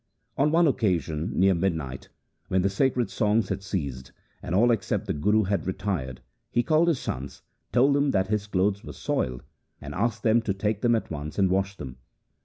On one occasion near midnight, when the sacred songs had ceased, and all except the Guru had retired, he called his sons, told them that his clothes were soiled, and asked them to take them at once and wash them.